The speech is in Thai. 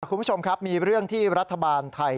คุณผู้ชมครับมีเรื่องที่รัฐบาลไทย